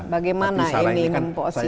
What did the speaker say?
bagaimana ini memposisikan